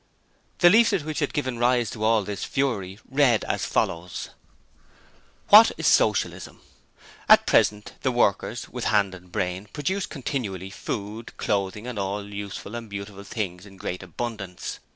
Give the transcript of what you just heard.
The leaflet which had given rise to all this fury read as follows: WHAT IS SOCIALISM? At present the workers, with hand and brain produce continually food, clothing and all useful and beautiful things in great abundance.